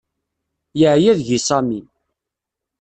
Yeɛya deg-i Sami.